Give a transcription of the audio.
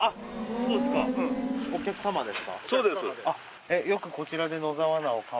そうです。